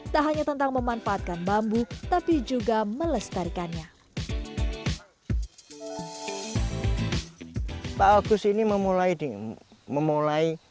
tak hanya tentang memanfaatkan bambu tapi juga melestarikannya bagus ini memulai dimulai